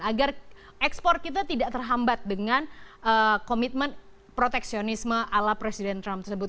jadi ekspor kita tidak terhambat dengan komitmen proteksionisme ala presiden trump tersebut